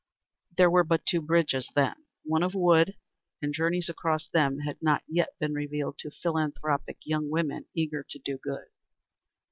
There were but two bridges then, one of wood, and journeys across them had not yet been revealed to philanthropic young women eager to do good.